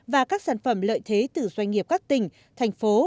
và các sản phẩm lợi thế từ doanh nghiệp các tỉnh thành phố